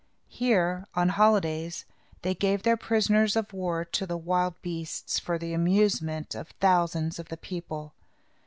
Here, on holidays, they gave their prisoners of war to the wild beasts, for the amusement of thousands of the people.